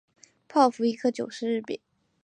泡芙一颗九十日币